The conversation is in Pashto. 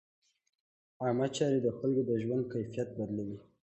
عامه چارې د خلکو د ژوند کیفیت بدلوي.